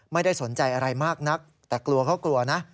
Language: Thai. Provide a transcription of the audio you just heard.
ไม่ได้สนใจอะไรมากนักแต่กลัวเขากลัวนะ